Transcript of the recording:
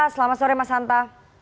selamat sore mas hanta